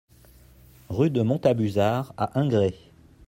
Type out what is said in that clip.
Rue de Montabuzard à Ingré